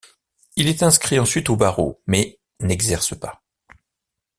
Il est inscrit ensuite au barreau, mais n'exerce pas.